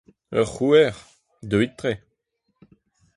Ur c’houer… Deuit tre.